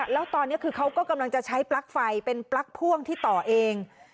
แล้วตอนนี้คือเขาก็กำลังจะใช้ปลั๊กไฟเป็นปลั๊กพ่วงที่ต่อเอง